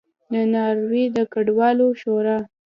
د ناروې د کډوالو شورا